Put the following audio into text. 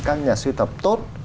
các nhà sưu tập tốt